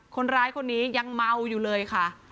คนร้ายคนนี้ยังเมาอยู่เลยค่ะ